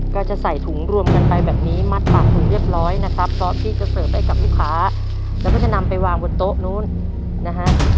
ก็จะใส่ถุงรวมกันไปแบบนี้มัดปากถุงเรียบร้อยนะครับเพราะพี่จะเสิร์ฟให้กับลูกค้าแล้วก็จะนำไปวางบนโต๊ะนู้นนะฮะ